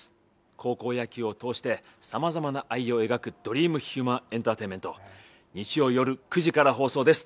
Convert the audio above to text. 高校野球を通してさまざまな愛を描くドリームヒューマンエンターテインメント、日曜夜９時から放送です。